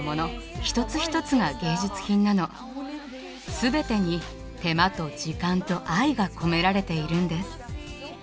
全てに手間と時間と愛が込められているんです。